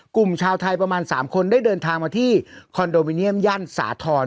กลุ่มชาวไทยประมาณ๓คนได้เดินทางมาที่คอนโดมิเนียมย่านสาธรณ์